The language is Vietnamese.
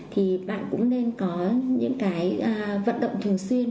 thì bạn cũng nên có những cái vận động thường xuyên